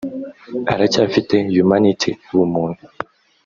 aracyafite Humanity(ubumuntu)